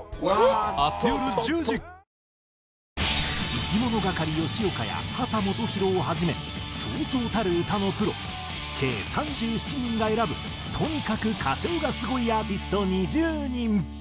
いきものがかり吉岡や秦基博をはじめそうそうたる歌のプロ計３７人が選ぶとにかく歌唱がスゴいアーティスト２０人。